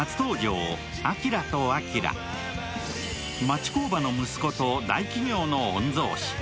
町工場の息子と大企業の御曹司。